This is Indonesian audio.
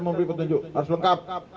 membeli petunjuk harus lengkap